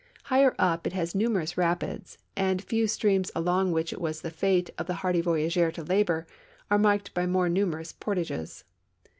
Higher up it has numerous rapids, and few streams along which it was the fate of the hardy voyageur to labor are marked by more numerous portages.